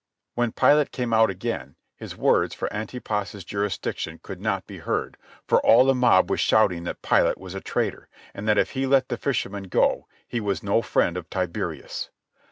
When Pilate came out again his words for Antipas' jurisdiction could not be heard, for all the mob was shouting that Pilate was a traitor, that if he let the fisherman go he was no friend of Tiberius.